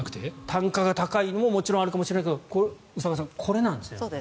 単価が高いももちろんあるかもしれないけど宇佐川さん、これなんですね。